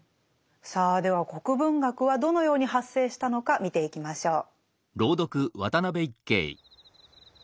さあでは国文学はどのように発生したのか見ていきましょう。